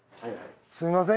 すみません